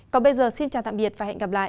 còn bây giờ xin chào tạm biệt và hẹn gặp lại